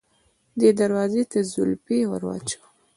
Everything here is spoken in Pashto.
دې دروازې ته زولفی ور واچوه.